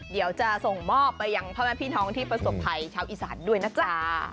เดี๋ยวจะส่งมอบไปยังพ่อแม่พี่น้องที่ประสบภัยชาวอีสานด้วยนะจ๊ะ